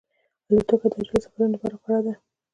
الوتکه د عاجلو سفرونو لپاره غوره ده.